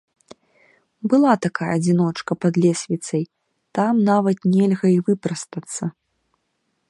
Была такая адзіночка пад лесвіцай, там нават нельга і выпрастацца.